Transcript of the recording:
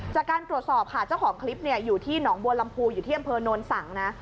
จากการตรวจสอบค่ะเจ้าของคลิปอยู่ที่หนองบัวลำพูอยู่ที่อำเภอโนนสังนะ